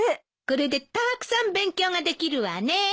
これでたーくさん勉強ができるわね。